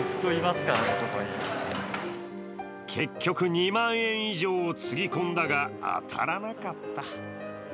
結局、２万円以上をつぎ込んだが当たらなかった。